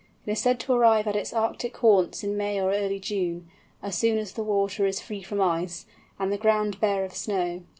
It is said to arrive at its Arctic haunts in May or early June, as soon as the water is free from ice, and the ground bare of snow.